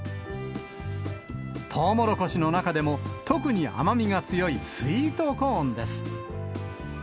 トウモロコシの中でも、特に甘みが強いスイートコーンです。